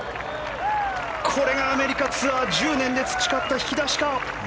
これがアメリカツアー１０年で培った引き出しか。